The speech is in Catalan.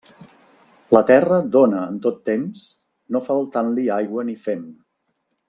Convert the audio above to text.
La terra dóna en tot temps no faltant-li aigua ni fem.